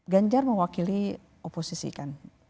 ganjar mewakili oposisi kan